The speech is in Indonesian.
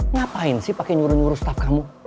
ngapain sih pake nyuruh nyuruh staff kamu